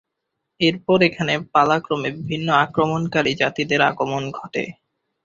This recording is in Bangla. এরপর এখানে পালাক্রমে বিভিন্ন আক্রমণকারী জাতিদের আগমন ঘটে।